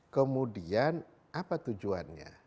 kemudian apa tujuannya